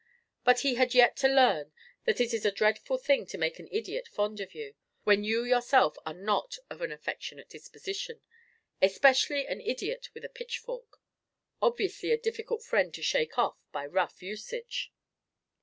But he had yet to learn that it is a dreadful thing to make an idiot fond of you, when you yourself are not of an affectionate disposition: especially an idiot with a pitchfork—obviously a difficult friend to shake off by rough usage.